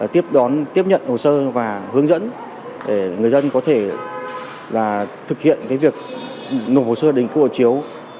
tiếp nhận hồ sơ và hướng dẫn để người dân có thể thực hiện cái việc nộp hồ sơ đến cấp bộ chiếu